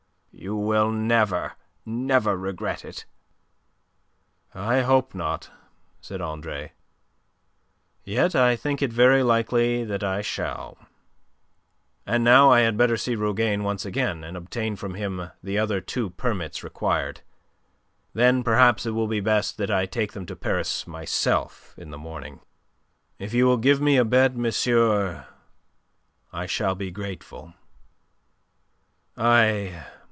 "You will never, never regret it." "I hope not," said Andre. "Yet I think it very likely that I shall. And now I had better see Rougane again at once, and obtain from him the other two permits required. Then perhaps it will be best that I take them to Paris myself, in the morning. If you will give me a bed, monsieur, I shall be grateful. I...